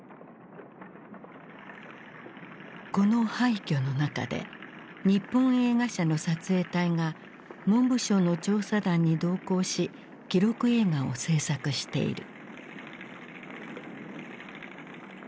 この廃虚の中で日本映画社の撮影隊が文部省の調査団に同行し記録映画を製作している。